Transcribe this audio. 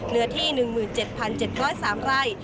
เนื้อที่๑๗๗๐๓ไร่